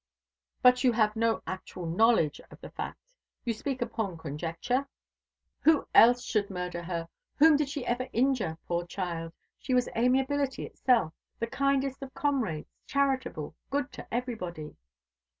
"But you have no actual knowledge of the fact? You speak upon conjecture?" "Who else should murder her? Whom did she ever injure, poor child? She was amiability itself the kindest of comrades, charitable, good to everybody."